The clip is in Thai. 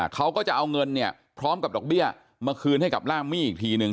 เขาก็จะเอาเงินเนี่ยพร้อมกับดอกเบี้ยมาคืนให้กับล่ามมี่อีกทีนึง